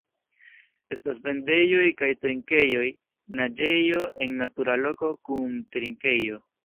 Estas vendejoj kaj trinkejoj, naĝejo en natura loko kun trinkejo.